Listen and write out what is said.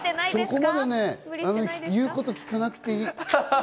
そこまでね、言うこと聞かなくていい。